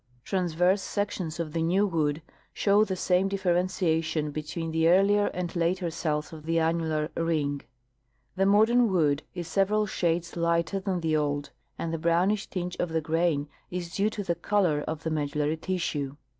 Transverse sections of the new wood show the same differentiation between the earlier and later cells of the annular ring. The modern wood is several shades lighter than the old, and the brownish tinge of the grain is due to the color of the medullary tissue.